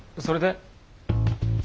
それで？